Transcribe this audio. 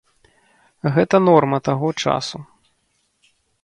Гэта норма таго часу.